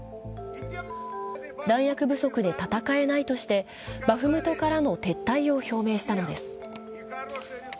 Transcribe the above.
弾薬不足で戦えないとしてバフムトからの撤退を表明したのです。